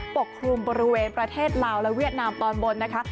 กลุ่มบริเวณประเทศลาวและเวียดนามตอนบนนะคะ